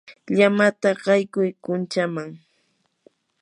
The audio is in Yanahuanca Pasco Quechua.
llamata qaykuy kunchaman.